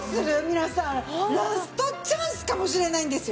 皆さんラストチャンスかもしれないんですよ？